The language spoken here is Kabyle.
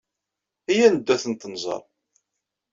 Iyya ad neddu ad tent-nẓer.